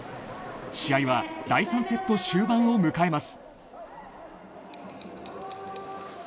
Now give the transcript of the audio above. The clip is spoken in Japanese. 試合は第３セット終盤を迎えます。